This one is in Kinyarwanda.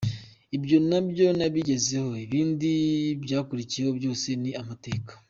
Ibyo nabyo nabigezeho, ibindi byakurikiyeho byose ni amateka.